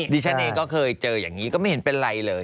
ดิฉันเองก็เคยเจออย่างนี้ก็ไม่เห็นเป็นไรเลย